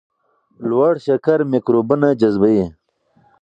لوړ شکر میکروبونه جذبوي.